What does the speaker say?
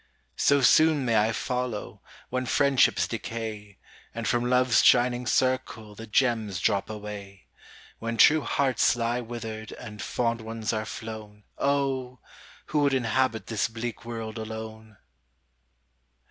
So soon may I follow, When friendships decay, And from LoveŌĆÖs shining circle The gems drop away. When true hearts lie withered And fond ones are flown, Oh! who would inhabit This bleak world alone?